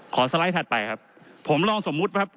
สไลด์ถัดไปครับผมลองสมมุติครับ